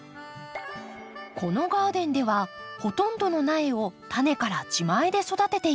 このガーデンではほとんどの苗をタネから自前で育てています。